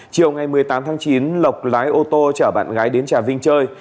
chiều ngày một mươi tám tháng chín lộc lái ô tô chở bạn gái đến trà vinh chơi